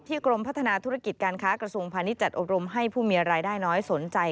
กรมพัฒนาธุรกิจการค้ากระทรวงพาณิชยจัดอบรมให้ผู้มีรายได้น้อยสนใจ